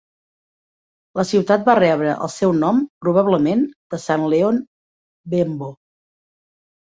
La ciutat va rebre el seu nom probablement de Sant Leon Bembo.